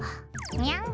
ニャン。